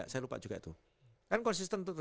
saya lupa juga itu kan konsisten itu